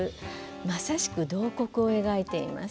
まさしく慟哭を描いています。